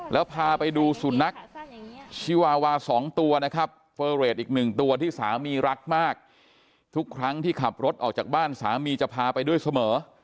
แล้วพาไปดูสุนัขชีวาวาสองตัวนะครับเฟอร์เรทอีกหนึ่งตัวที่สามีรักมากทุกครั้งที่ขับรถออกจากบ้านสามีจะพาไปด้วยเสมอ